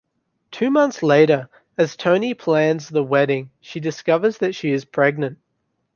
Two months later, as Tony plans the wedding, she discovers that she is pregnant.